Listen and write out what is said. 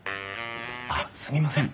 あっすみません。